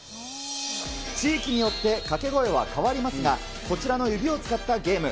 地域によって掛け声は変わりますが、こちらの指を使ったゲーム。